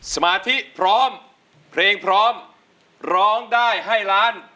สมาธิพร้อมเพลงพร้อมร้องได้ให้ล้าน